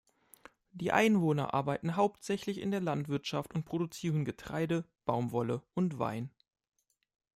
Die Einwohner arbeiten hauptsächlich in der Landwirtschaft und produzieren Getreide, Baumwolle und Wein.